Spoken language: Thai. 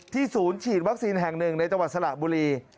ศูนย์ฉีดวัคซีนแห่งหนึ่งในจังหวัดสระบุรี